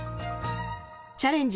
チャレンジ